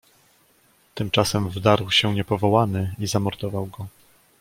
"Tymczasem wdarł się niepowołany i zamordował go."